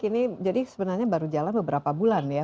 ini jadi sebenarnya baru jalan beberapa bulan ya